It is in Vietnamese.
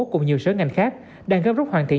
cùng nhiều sở ngành khác đang gấp rút hoàn thiện